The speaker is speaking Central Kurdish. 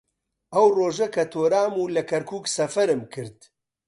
ئەو ڕۆژە کە تۆرام و لە کەرکووک سەفەرم کرد